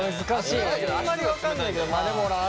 あんまり分かんないけど。